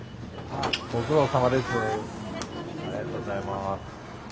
ありがとうございます。